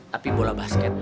tapi bola basket